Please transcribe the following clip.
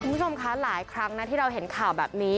คุณผู้ชมคะหลายครั้งนะที่เราเห็นข่าวแบบนี้